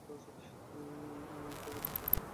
তাদের হতে হবে কঠোর অধ্যবসায়ী।